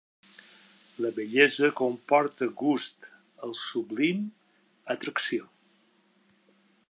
La bellesa comporta gust, el sublim, atracció.